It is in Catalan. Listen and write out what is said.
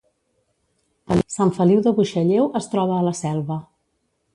Sant Feliu de Buixalleu es troba a la Selva